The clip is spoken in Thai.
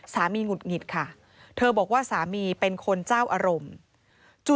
หงุดหงิดค่ะเธอบอกว่าสามีเป็นคนเจ้าอารมณ์จู่